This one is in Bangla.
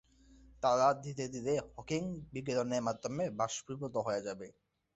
তারা ধীরে ধীরে হকিং বিকিরণের মাধ্যমে বাষ্পীভূত হয়ে যাবে।